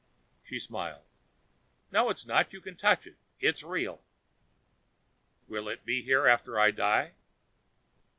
She smiled. "No it's not. You can touch it. It's real." "Will it be here after I die?"